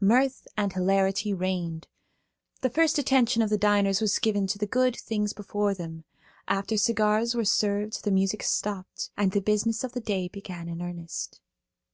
Mirth and hilarity reigned. The first attention of the diners was given to the good things before them. After cigars were served the music stopped, and the business of the day began in earnest.